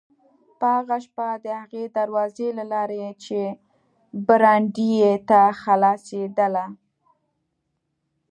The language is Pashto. په هغه شپه د هغې دروازې له لارې چې برنډې ته خلاصېدله.